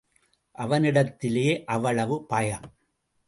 அவனிடத்திலே அவ்வளவு பயம்.